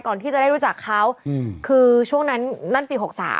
ก่อนที่จะได้รู้จักเขาคือช่วงนั้นนั่นปี๖๓